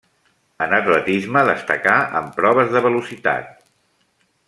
En atletisme destacà en proves de velocitat.